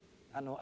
あ。